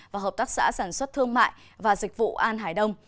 và hợp tác xã sản xuất thương mại và dịch vụ an hải đông